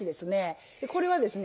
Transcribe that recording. これはですね